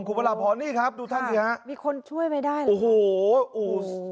คุณพระหลับหอนี่ครับดูท่านเถียงครับโอ้โฮมีคนช่วยไว้ได้หรือเปล่า